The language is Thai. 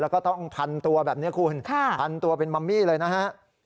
แล้วก็ต้องพันตัวแบบนี้คุณพันตัวเป็นมัมมี่เลยนะฮะ